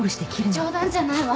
冗談じゃないわ。